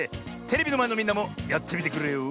テレビのまえのみんなもやってみてくれよ。